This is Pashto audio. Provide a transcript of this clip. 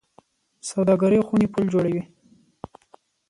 سوداګرۍ خونې پل جوړوي